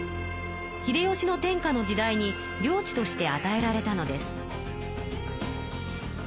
秀吉の天下の時代に領地としてあたえられたのです。